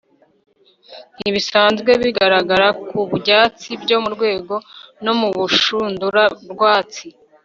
ntibisanzwe bigaragara ku byatsi byo mu rwego, no mu rushundura rwatsi